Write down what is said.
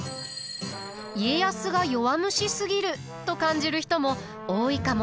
家康が弱虫すぎると感じる人も多いかもしれません。